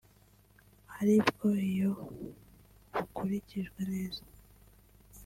ari bwo iyo bukurikijwe neza